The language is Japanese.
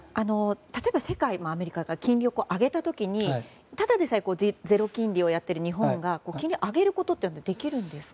例えば、世界アメリカが金利を上げた時にただでさえゼロ金利をやっている日本が金利を上げることってできるんですか？